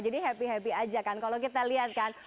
jadi happy happy aja kan kalau kita lihat kan